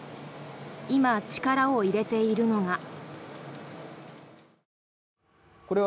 今、力を入れているのが。